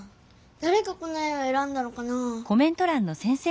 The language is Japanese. だれがこの絵をえらんだのかな？